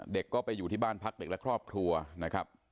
เด็กก็ไปอยู่ที่บ้านพักเด็กและครอบครัวนะครับ